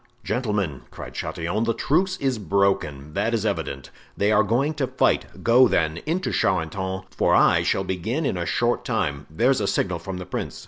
"Gentlemen," cried Chatillon, "the truce is broken, that is evident; they are going to fight; go, then, into Charenton, for I shall begin in a short time—there's a signal from the prince!"